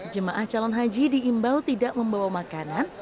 jemaah calon haji diimbau tidak membawa makanan